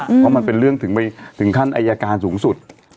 เพราะมันเป็นเรื่องถึงไปถึงขั้นอายการสูงสุด